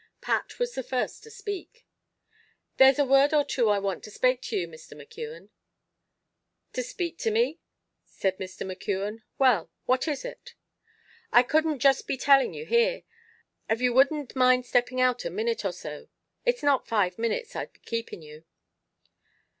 Pat was the first to speak. "There's a word or two I want to spake to you, Mr. McKeon." "To speak to me," said Mr. McKeon; "well, what is it?" "I couldn't just be telling you here; av you wouldn't mind stepping out, a minute or so it's not five minutes I'd be keeping you."